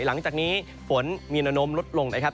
หลังจากนี้ฝนมีแนวโน้มลดลงนะครับ